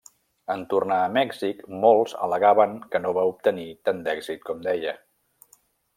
En tornar a Mèxic, molts al·legaven que no va obtenir tant d'èxit com deia.